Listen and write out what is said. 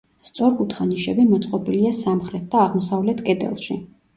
სწორკუთხა ნიშები მოწყობილია სამხრეთ და აღმოსავლეთ კედელში.